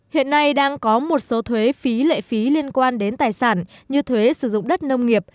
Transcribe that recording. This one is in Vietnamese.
hiện nay đang có một số thuế phí lệ phí liên quan đến tài sản như thuế sử dụng đất nông nghiệp